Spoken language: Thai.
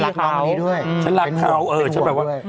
แล้วก็เป็นคนรักน้องนี้ด้วยอืมฉันรักเขาเออฉันแปลว่าเป็นห่วงด้วย